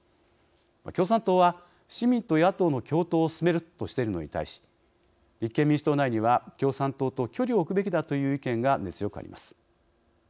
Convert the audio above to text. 共産党は市民と野党の共闘を進めるとしているのに対し立憲民主党内には共産党と距離を置くべきだという意見が根強くあります。